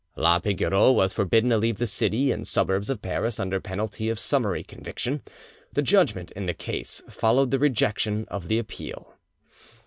La Pigoreau was forbidden to leave the city and suburbs of Paris under penalty of summary conviction. The judgment in the case followed the rejection of the appeal.